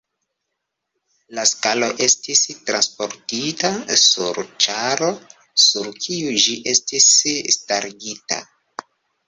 La skalo estis transportita sur ĉaro sur kiu ĝi estis starigita.